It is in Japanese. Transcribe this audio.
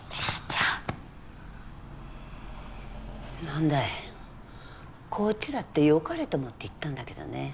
なんだいこっちだってよかれと思って言ったんだけどね。